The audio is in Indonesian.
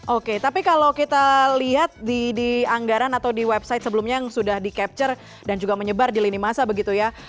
oke tapi kalau kita lihat di anggaran atau di website sebelumnya yang sudah di capture dan juga menyebar di lini masa begitu ya